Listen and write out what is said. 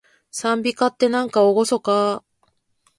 讃美歌って、なんかおごそかー